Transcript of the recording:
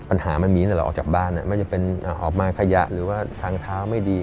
ปัญหามันมีตั้งแต่เราออกจากบ้านไม่ว่าจะเป็นออกมาขยะหรือว่าทางเท้าไม่ดี